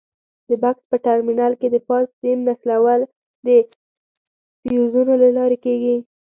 د بکس په ټرمینل کې د فاز سیم نښلول د فیوزونو له لارې کېږي.